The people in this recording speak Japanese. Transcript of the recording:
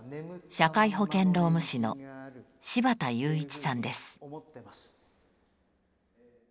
社会保険労務士の柴田友都さんです。